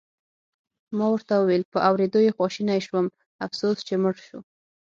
ما ورته وویل: په اورېدو یې خواشینی شوم، افسوس چې مړ شو.